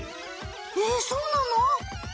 えっそうなの？